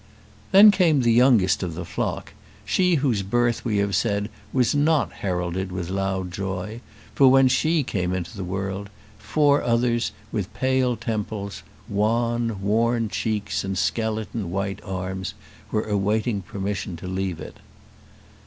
Then came the youngest of the flock, she whose birth we have said was not heralded with loud joy; for when she came into the world, four others, with pale temples, wan, worn cheeks, and skeleton, white arms, were awaiting permission to leave it.